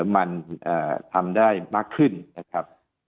มันทำได้มากขึ้นนะครับ